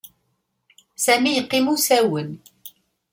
Sami yeqqim usawen.